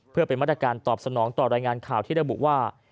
เพื่อเป็นมาตรการตอบสนองต่อรายงานข่าวที่ระบุว่า